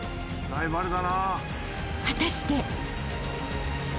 ［果たして］